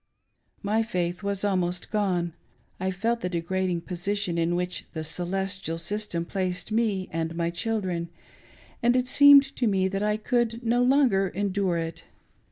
My faith was almost gone — I felt the degrading position in which the " Celestial" system placed me and my children, and it seemed to me that I could no longer endure it.